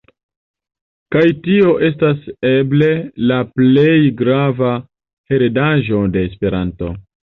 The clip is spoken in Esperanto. Kaj tio estas eble la plej grava heredaĵo de Esperanto.